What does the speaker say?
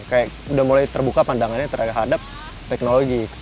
kayak udah mulai terbuka pandangannya terhadap teknologi